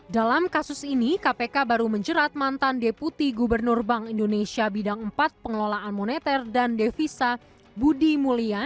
dalam kasus ini kpk baru menjerat mantan deputi gubernur bank indonesia bidang empat pengelolaan moneter dan devisa budi mulia